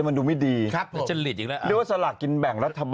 สวัสดีครับสวัสดีครับ